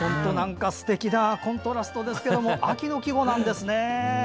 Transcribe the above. すてきなコントラストですけど秋の季語なんですね。